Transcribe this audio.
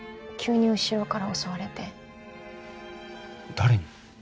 誰に？